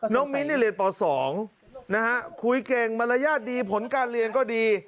มิ้นเรียนป๒นะฮะคุยเก่งมารยาทดีผลการเรียนก็ดี